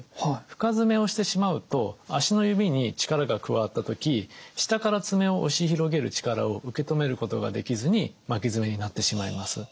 深爪をしてしまうと足の指に力が加わった時下から爪を押し広げる力を受け止めることができずに巻き爪になってしまいます。